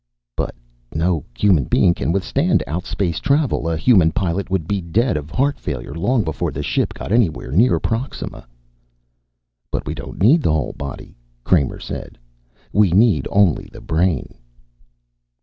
"But no human being can withstand outspace travel. A human pilot would be dead of heart failure long before the ship got anywhere near Proxima." "But we don't need the whole body," Kramer said. "We need only the brain."